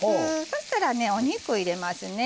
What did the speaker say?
そしたらねお肉入れますね。